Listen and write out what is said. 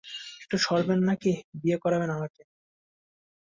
একটু সরবেন না কি বিয়ে করবেন আমাকে?